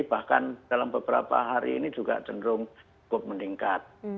bahkan dalam beberapa hari ini juga cenderung cukup meningkat